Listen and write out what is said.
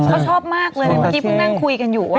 เขาชอบมากเลยเมื่อกี้เพิ่งนั่งคุยกันอยู่ว่า